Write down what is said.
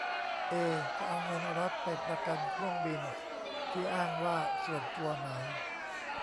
เอ จะเอาเงินรัฐ ไปประกันเครื่องบินที่อ้างว่า"ส่วนตัว"ไหม ?